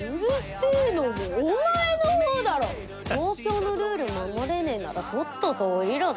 公共のルール守れねえならとっとと降りろだ？